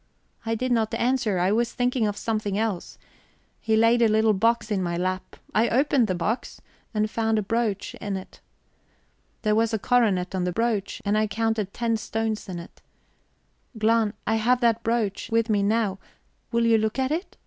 I did not answer I was thinking of something else. He laid a little box in my lap. I opened the box, and found a brooch in it. There was a coronet on the brooch, and I counted ten stones in it... Glahn, I have that brooch with me now; will you look at it?